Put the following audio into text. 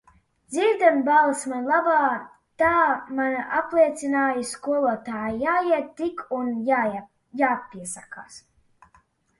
Dzirde un balss man laba, tā man apliecināja skolotāji, jāiet tik un jāpiesakās.